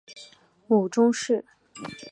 母仲氏。